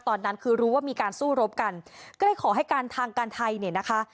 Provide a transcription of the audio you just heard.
ตอนนั้นคือรู้ว่ามีการสู้รบกันก็เลยขอให้การทางการไทยเนี่ยนะคะ